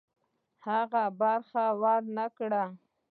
هغه برخه ورنه کړي.